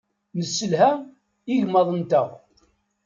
Nesselha igmaḍ-nteɣ.